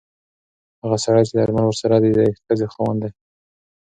هغه سړی چې درمل ورسره دي د ښځې خاوند دی.